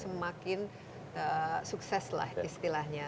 semakin sukses lah istilahnya